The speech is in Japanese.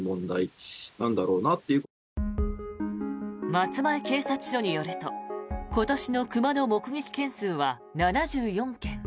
松前警察署によると今年の熊の目撃件数は７４件。